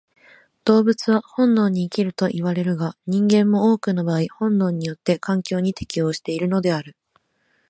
動物は本能に生きるといわれるが、人間も多くの場合本能によって環境に適応しているのである。